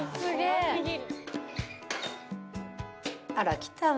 あら。来たわ。